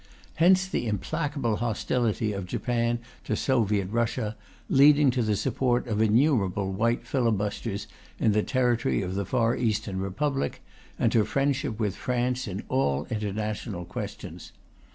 Hence the implacable hostility of Japan to Soviet Russia, leading to the support of innumerable White filibusters in the territory of the Far Eastern Republic, and to friendship with France in all international questions.